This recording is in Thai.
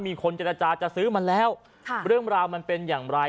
มีคนเจรจาจะซื้อมาแล้วเรื่องราวมันเป็นอย่างไร